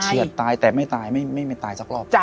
ตายแต่ไม่ตายไม่ตายสักรอบ